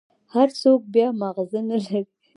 هر سوك بيا مازغه نلري.